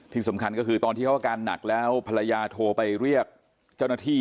ที่สำคัญก็คือตอนที่เขาอาการหนักแล้วภรรยาโทรไปเรียกเจ้าหน้าที่